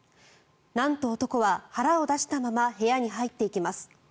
なんと、男は腹を出したまま部屋に入っていきます。